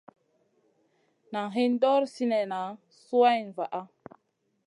Naʼ hin ɗor sinèhna suwayna vaʼa.